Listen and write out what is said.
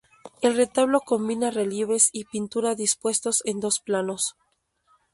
El retablo combina relieves y pintura dispuestos en dos planos.